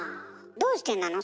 どうしてなの？